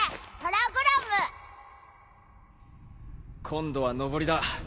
今度は上りだ。